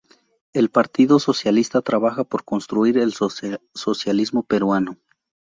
El Partido Socialista trabaja por construir el Socialismo Peruano.